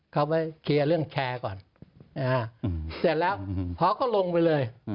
เขาไปเคลียร์เรื่องแชร์ก่อนเสร็จแล้วพอเขาลงไปเลย